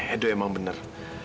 edo emang bener